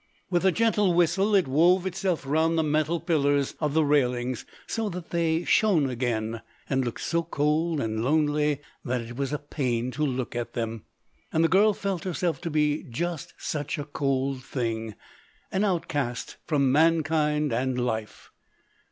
With a gentle whistle it wove itself round the metal pillars of the railings, so that they shone again, and looked so cold and lonely that it was a pain to look at them. And the girl felt herself to be just such a cold thing, an outcast from mankind and life.